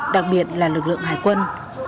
đặc biệt là lực lượng hải quân